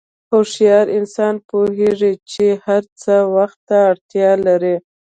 هوښیار انسان پوهېږي چې هر څه وخت ته اړتیا لري.